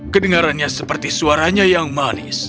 kedengarannya seperti suaranya yang manis